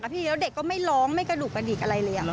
พี่แล้วเด็กก็ไม่ร้องไม่กระดูกกระดิกอะไรเลย